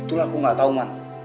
itulah aku gak tau man